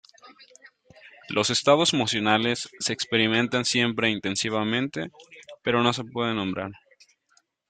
Los estados emocionales se experimentan siempre intensivamente, pero no se pueden nombrar.